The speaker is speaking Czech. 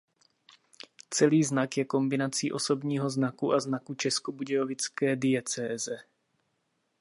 Celý znak je kombinací osobního znaku a znaku českobudějovické diecéze.